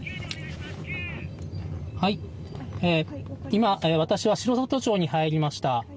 今、私は城里町に入りました。